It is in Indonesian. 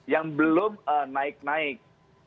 yang belum naik naik